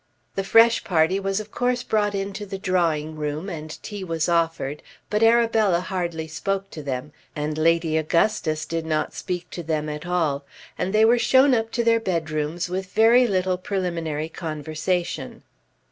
The fresh party was of course brought into the drawing room and tea was offered; but Arabella hardly spoke to them, and Lady Augustus did not speak to them at all, and they were shown up to their bedrooms with very little preliminary conversation.